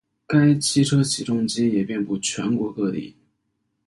该汽车起重机也遍布全国各地。